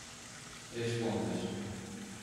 Três Pontas